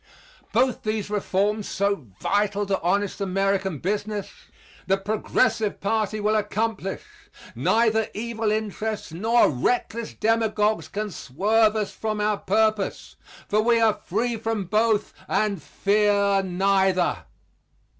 Both these reforms, so vital to honest American business, the Progressive party will accomplish. Neither evil interests nor reckless demagogues can swerve us from our purpose; for we are free from both and fear neither.